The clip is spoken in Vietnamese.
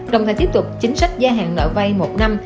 đồng thời tiếp tục chính sách gia hạn nợ vay một năm